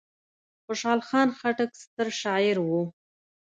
خوشحال خان خټک ستر شاعر و.